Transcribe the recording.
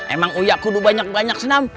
emang uya kudu banyak banyak senam